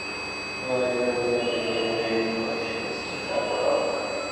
আবার জীবনের প্রতি আমাদের যে নিবিড় ভালবাসা, সেই কথা চিন্তা কর।